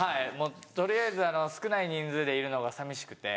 取りあえず少ない人数でいるのが寂しくて。